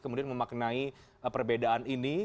kemudian memaknai perbedaan ini